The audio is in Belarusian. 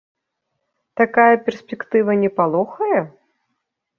Такая перспектыва не палохае?